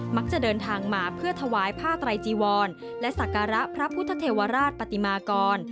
มักจะเดินทางมาเพื่อถวายผ้าไตรจีวรและศักระพระพุทธเทวราชปฏิมากร